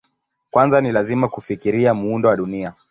Kwanza ni lazima kufikiria muundo wa Dunia.